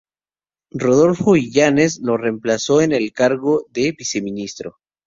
Rodolfo Illanes lo reemplazó en el cargo de viceministro.